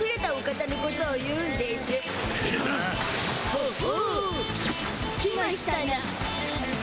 ほほう来ましゅたな。